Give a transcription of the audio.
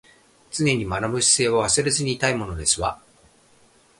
常に学ぶ姿勢は忘れずにいたいものですわ